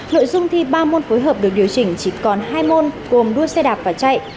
nội dung thi ba môn phối hợp được điều chỉnh chỉ còn hai môn gồm đua xe đạp và chạy